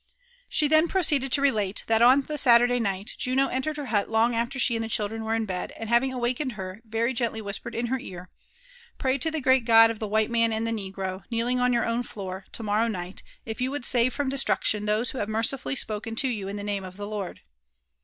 She thai prooeaded to reiata, that on the Batorday night, Juno en tared har hut long aftar aha and the chiidren were in bed, and havhig awakened her, very gently whispered inheraar ^ ''Pray to the great God of the white man and the negro, kneeling on your own Qoor, to morrow night, if you would save from destruction those who have mercifully spoken to you in the name of the Lord."